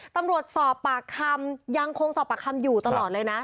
ตำรวจสอบปากคำยังคงสอบปากคำอยู่ตลอดเลยนะ